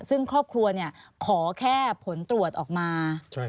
ซึ่งครอบครัวขอแค่ผลตรวจออกมา